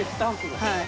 はい。